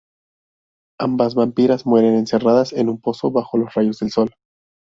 Ambas vampiras mueren encerradas en un pozo bajo los rayos del sol.